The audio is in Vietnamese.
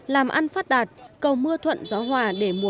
làm ăn phát đạt cầu mưa thuận gió hòa để mùa